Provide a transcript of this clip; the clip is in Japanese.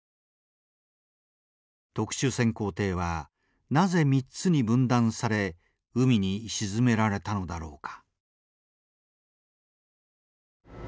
特殊潜航艇はなぜ３つに分断され海に沈められたのだろうか。